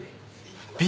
Ｂ